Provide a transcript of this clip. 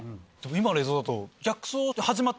今の映像だと。